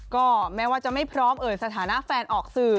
ก็แม้ว่าจะไม่พร้อมเอ่ยสถานะแฟนออกสื่อ